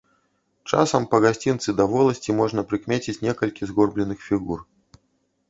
Часам па гасцінцы да воласці можна прыкмеціць некалькі згорбленых фігур.